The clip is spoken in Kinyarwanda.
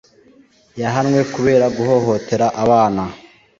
yahanwe kubera guhohotera abana